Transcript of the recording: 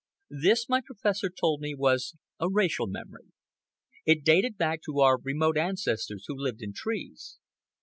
This, my professor told me, was a racial memory. It dated back to our remote ancestors who lived in trees.